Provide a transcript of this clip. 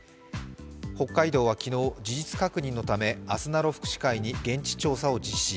北海道は昨日、事実確認のためあすなろ福祉会に現地調査を実施。